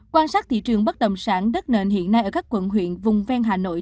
quan sát thị trường bất động sản đất nền hiện nay ở các quận huyện vùng ven hà nội